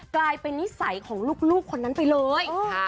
กลายเป็นนิสัยของลูกคนนั้นไปเลย